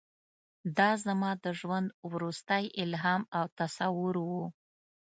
دا زما د ژوند وروستی الهام او تصور و.